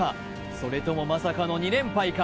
それともまさかの２連敗か？